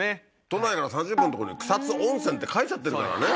都内から３０分のとこに「草津温泉」って書いちゃってるからね。